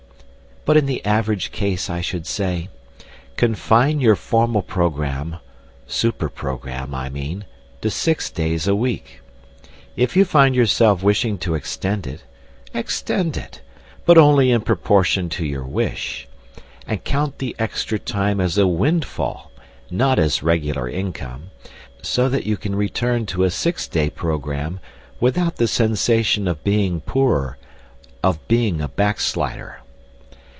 But in the average case I should say: Confine your formal programme (super programme, I mean) to six days a week. If you find yourself wishing to extend it, extend it, but only in proportion to your wish; and count the time extra as a windfall, not as regular income, so that you can return to a six day programme without the sensation of being poorer, of being a backslider.